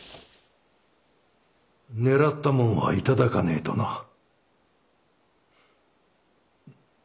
狙ったもんは頂かねえとな。